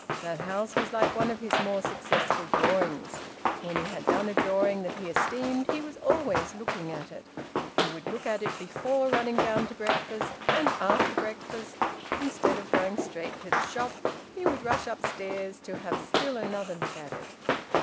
That house was like one of his more successful drawings. When he had done a drawing that he esteemed, he was always looking at it. He would look at it before running down to breakfast; and after breakfast, instead of going straight to the shop, he would rush upstairs to have still another look at it.